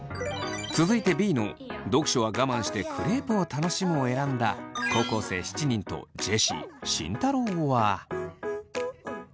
続いてＢの「読書は我慢してクレープを楽しむ」を選んだ高校生７人とジェシー慎太郎は。